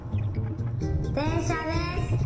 でんしゃです。